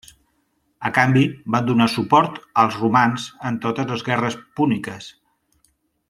A canvi, van donar suport als romans en totes les guerres púniques.